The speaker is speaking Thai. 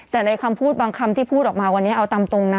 แต่ในคำพูดบางคำที่พูดออกมาวันนี้เอาตามตรงนะ